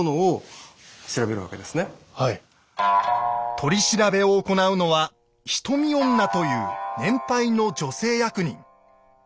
取り調べを行うのは「人見女」という年配の女性役人。